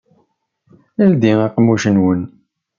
Ldim aqemmuc-nwen!